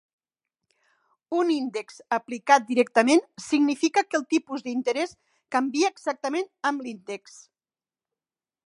Un índex aplicat directament significa que el tipus d'interès canvia exactament amb l'índex.